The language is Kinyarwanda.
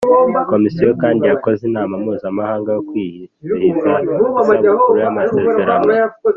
Komisiyo kandi yakoze inama mpuzamahanga yo kwizihiza isabukuru ya y Amasezerano